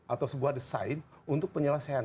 atau sebuah the side untuk penyelesaian